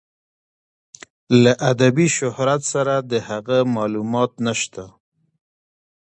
له ادبي شهرت سره د هغه معلومات نشته.